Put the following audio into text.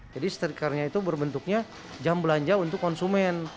jadi stikernya itu berbentuknya jam belanja untuk konsumen